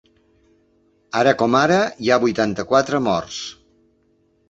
Ara com ara, hi ha vuitanta-quatre morts.